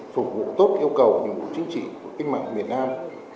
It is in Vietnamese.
phục vụ tốt yêu cầu nhiệm vụ chính trị của cách mạng miền nam